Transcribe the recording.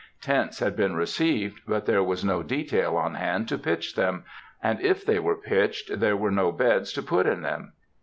Tents had been received, but there was no detail on hand to pitch them, and if they were pitched, there were no beds to put in them.